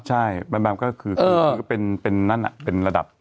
ใช่แมมก็คือเป็นนั่นเป็นระดับ